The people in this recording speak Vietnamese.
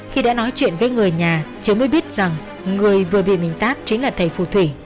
khi đã nói chuyện với người nhà chị mới biết rằng người vừa bị mình tát chính là thầy phù thủy